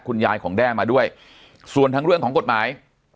คุณยายของแด้มาด้วยส่วนทั้งเรื่องของกฎหมาย